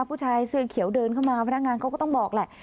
ผู้ชายเสื้อเขียวเดินเข้ามาพนักงานเขาก็ต้องบอกแหละ